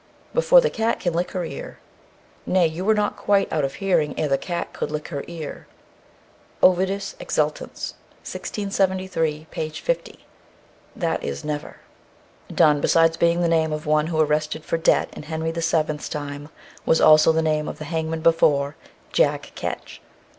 Before the cat can lick her ear. "Nay, you were not quite out of hearing ere the cat could lick her ear." Oviddius Exultans, 1673, p. 50. That is never. Dun, besides being the name of one who arrested for debt in Henry VII.'s time, was also the name of the hangman before "Jack Ketch."